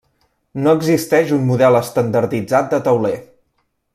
No existeix un model estandarditzat de tauler.